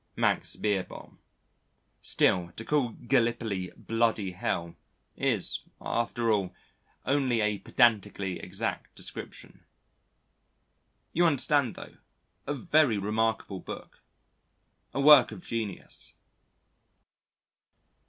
MAX BEERBOHM. Still, to call Gallipoli "bloody Hell" is, after all, only a pedantically exact description. You understand, tho', a very remarkable book a work of genius.